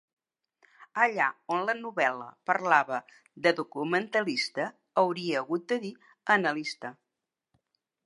Allà on la novel·la parlava de documentalista hauria hagut de dir analista.